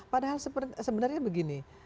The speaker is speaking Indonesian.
padahal sebenarnya begini